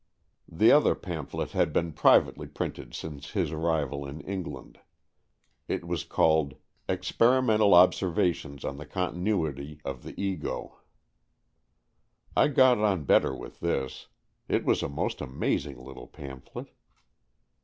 The other pamphlet had been privately printed since his arrival in Eng land. It was called Experimental Obser vations on the Continuity of the Ego, I got on better with this. It was a most amaz ing little pamphlet.